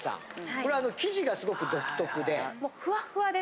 これは生地がすごく独特で。